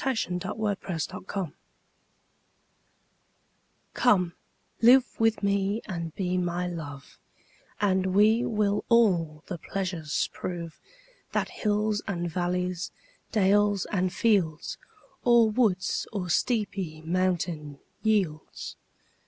The Passionate Shepherd to His Love COME live with me and be my Love, And we will all the pleasures prove That hills and valleys, dales and fields, Or woods or steepy mountain yields.